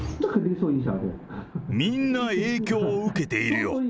みんな影響を受けているよ。